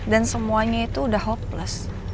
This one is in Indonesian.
dan semuanya itu udah hopeless